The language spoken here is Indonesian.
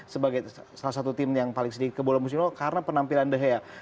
sebagai salah satu tim yang paling sedikit ke bola musim itu karena penampilan de gea